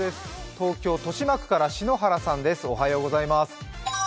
東京・豊島区から篠原さんです。